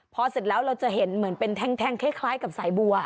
พอเสร็จแล้วเราจะเห็นเหมือนเป็นแท่งคล้ายกับสายบัว